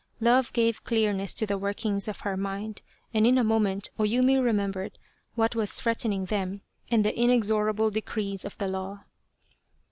Love gave clearness to the workings of her mind, and in a moment O Yumi remembered what was threatening them and the inexorable decrees of the law.